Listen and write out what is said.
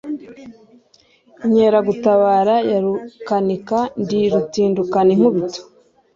Inkeragutabara ya Rukanika ndi rutindukana inkubito